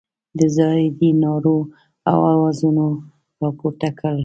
د زاهدي نارو او اوازونو راپورته کړلو.